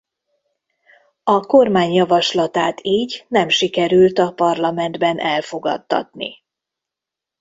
A kormány javaslatát így nem sikerült a parlamentben elfogadtatni.